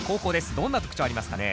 どんな特徴ありますかね？